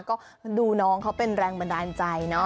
ก็ดูน้องเขาเป็นแรงบันดาลใจเนอะ